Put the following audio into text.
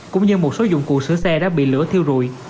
cũng như một số dụng cụ sửa xe đã bị lửa thiêu rụi